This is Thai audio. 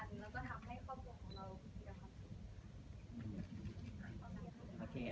เราก็ทำให้ครอบครัวของเราก็ควรจุทธ์